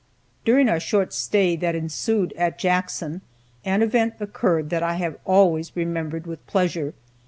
During our short stay that ensued at Jackson, an event occurred that I have always remembered with pleasure.